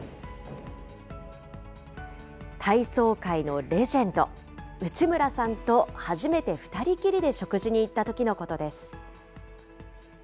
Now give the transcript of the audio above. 体操界のレジェンド、内村さんと初めて２人きりで食事に行ったときのことです。